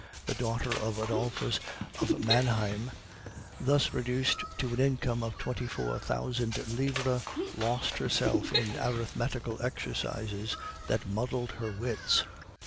The daughter of Adolphus of Manheim, thus reduced to an income of twenty four thousand livres, lost herself in arithmetical exercises that muddled her wits.